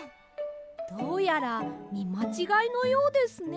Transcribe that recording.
どうやらみまちがいのようですね。